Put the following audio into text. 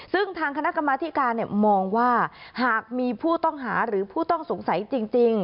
ซึ่งทางคณะกรรมธิการมองว่าหากมีผู้ต้องหาหรือผู้ต้องสงสัยจริง